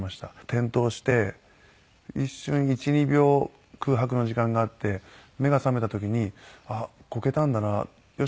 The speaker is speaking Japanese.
転倒して一瞬１２秒空白の時間があって目が覚めた時にあっこけたんだなよ